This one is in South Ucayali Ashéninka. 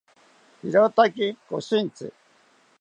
irotaki koshintzi